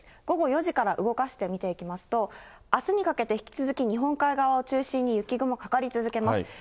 午後４時から動かして見ていきますと、あすにかけて引き続き、日本海側を中心に雪雲かかり続けます。